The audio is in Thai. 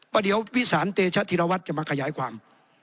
เพราะเดี๋ยววิสานเตชะธิรวัตรจะมาขยายความ